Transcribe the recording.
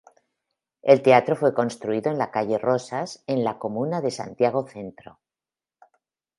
El teatro fue construido en la calle Rosas en la comuna de Santiago Centro.